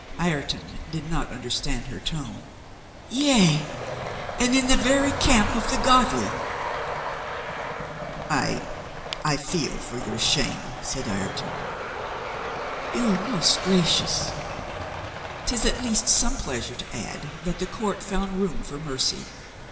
(Ireton did not understand her tone.) "Yea, and in the very camp of the godly !" 'T — I feel for your shame," said Ireton. "You are most gracious." "'Tis at least some pleasure to add that the court found room for mercy.